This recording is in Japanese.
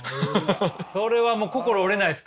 だからそれはもう心折れないですか？